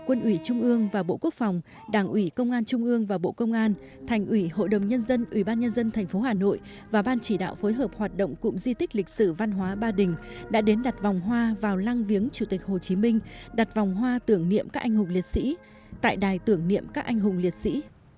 ủy trung ương và bộ quốc phòng đảng ủy công an trung ương và bộ công an thành ủy hội đồng nhân dân ủy ban nhân dân thành phố hà nội và ban chỉ đạo phối hợp hoạt động cụm di tích lịch sử văn hóa ba đình đã đến đặt vòng hoa vào lăng viếng chủ tịch hồ chí minh đặt vòng hoa tưởng niệm các anh hùng liệt sĩ tại đài tưởng niệm các anh hùng liệt sĩ